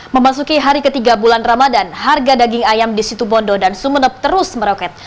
memasuki hari ketiga bulan ramadan harga daging ayam di situ bondo dan sumeneb terus meroket